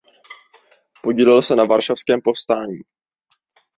Podílel se na Varšavském povstání.